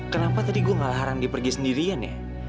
kenapa tadi gue ngalah haram dia pergi sendirian ya